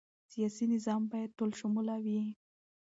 سیاسي نظام باید ټولشموله وي